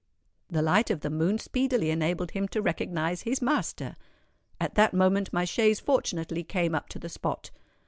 The light of the moon speedily enabled him to recognise his master. At that moment my chaise fortunately came up to the spot.